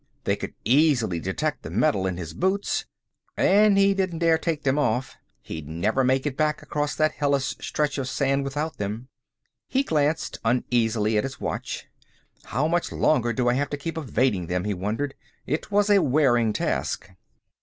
They could easily detect the metal in his boots! And he didn't dare take them off; he'd never make it back across that hellish stretch of sand without them. He glanced uneasily at his watch. How much longer do I have to keep evading them? he wondered. It was a wearing task.